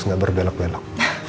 nggak berbelok belok